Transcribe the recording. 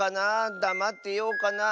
だまってようかなあ。